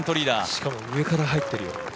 しかも上から入ってるよ。